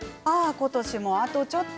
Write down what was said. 今年も、あとちょっと。